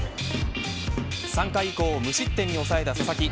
３回以降無失点に抑えた佐々木